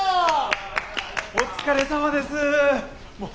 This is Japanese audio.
お疲れさまでした！